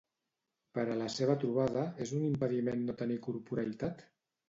Per a la seva trobada, és un impediment no tenir corporeïtat?